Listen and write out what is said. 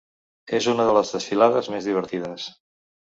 És una de les desfilades més divertides.